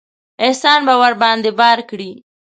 احسان به ورباندې بار کړي.